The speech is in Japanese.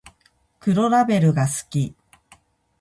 黒ラベルが好き